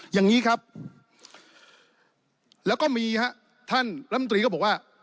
อย่างนี้ครับแล้วก็มีฮะท่านรัฐมนตรีก็บอกว่า